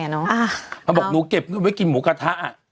เอามาบอกหนูเก็บกินของหมูกระทะ